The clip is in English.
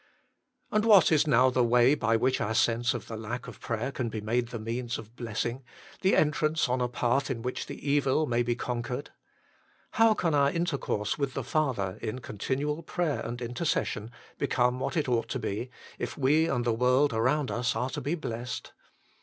And what is now the way by which our sense of the lack of prayer can be made the means of bless ing, the entrance on a path in which the evil may be conquered ? How can our intercourse with the Father, in continual prayer and intercession, become what it ought to be, if we and the world around us are to be blessed